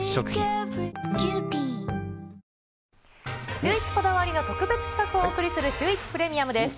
シューイチこだわりの特別企画をお送りするシューイチプレミアムです。